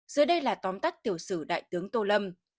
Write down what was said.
dưới đây là tóm tắt tiểu sử đại tướng tô lâm